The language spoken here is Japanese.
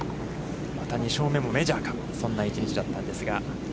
また２勝目もメジャーか、そんな１日だったんですが。